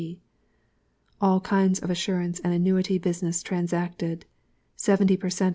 C. All kinds of Assurance and Annuity Business transacted. _Seventy per Cent.